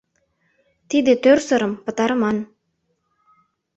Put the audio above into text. Тиде тӧрсырым пытарыман.